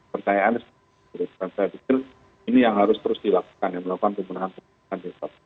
pertanyaan saya pikir ini yang harus terus dilakukan yang melakukan kepenangan